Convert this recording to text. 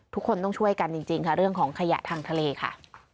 ทุกคนต้องช่วยกันจริงค่ะเรื่องของขยะทางทะเลค่ะ